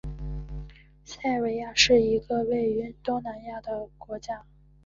塞尔维亚是一个位于东南欧的国家。